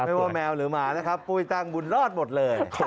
ไม่ว่าแมวหรือหมานะครับปุ้ยตั้งบุญรอดหมดเลย